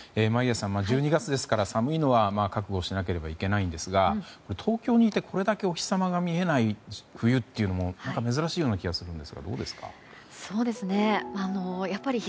１２月ですから寒いのは覚悟しなければいけないんですが東京にいて、これだけお日様が見えない冬っていうのも何か珍しい気がするんですがどうですか？